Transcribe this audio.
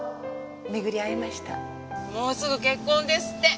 もうすぐ結婚ですって。